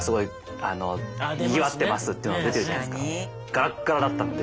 ガラッガラだったんで。